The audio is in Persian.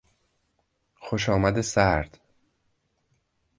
خوشامد سرد